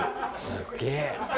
すげえ。